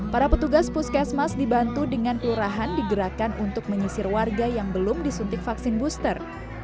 para petugas puskesmas dibantu dengan kelurahan digerakkan untuk menyisir warga yang belum disuntik vaksin booster